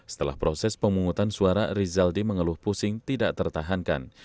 setelah proses pemungutan suara rizaldi mengeluh pusing tidak tertahankan